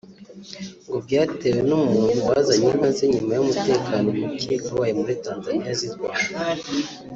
ngo byatewe n’umuntu wazanye inka ze nyuma y’umutekano mucye wabaye muri Tanzaniya zirwaye